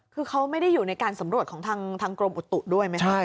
คือเขาไม่ได้อยู่ในการสำรวจของทางกรมอุตุด้วยไหมครับ